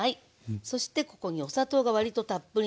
そしてここにお砂糖がわりとたっぷりめ。